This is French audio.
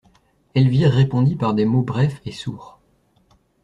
Elvire répondit par des mots brefs et sourds.